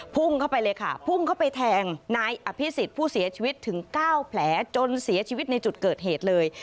พุ่งเข้าไปเลยค่ะพุ่งเข้าไปแทงนายอภิษฎผู้เสียชีวิตถึง๙แผลจนเสียชีวิตในจุดเกิดเหตุเลย